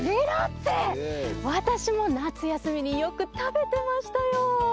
私も夏休みによく食べてましたよ